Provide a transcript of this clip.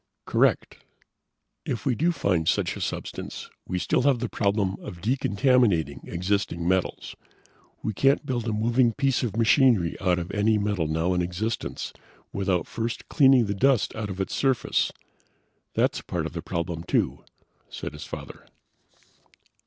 "Correct." "If we do find such a substance we still have the problem of decontaminating existing metals. We couldn't build a moving piece of machinery out of any metal now in existence without first cleaning the dust out of its surface." "That's part of the problem, too," said his father.